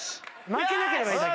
負けなければいいだけ。